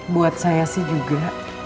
buat saya sih juga